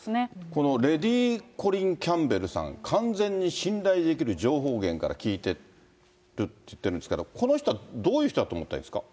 このレディ・コリン・キャンベルさん、完全に信頼できる情報源から聞いてるって言ってるんですけど、この人はどういう人だと思ったらいいですか。